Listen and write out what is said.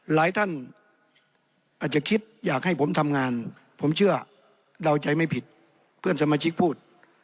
หลายท่านอาจจะคิดอยากให้ผมทำงานผมเชื่อเดาใจไม่ผิดเพื่อนสมาชิกพูด